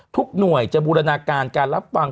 ทุกหน่วยจะบูรณาการการรับฟัง